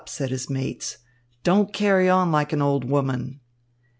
said his mates. "Don't carry on like an old woman."